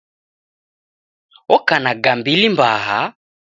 Oka na gambili mbaha